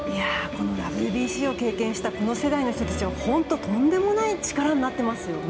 ＷＢＣを経験したこの世代の人たちは本当にとんでもない力になっていますね。